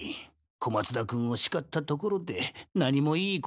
小松田君をしかったところで何もいいことはない。